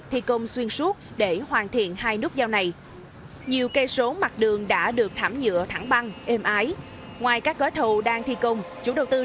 hiện tại lãi xuất đang rất là tốt